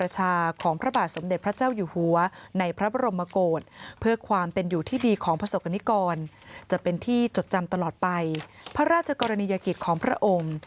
จะเป็นที่จดจำตลอดไปพระราชกรณียากิจของพระองค์